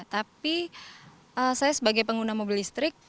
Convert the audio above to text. tapi saya sebagai pengguna mobil listrik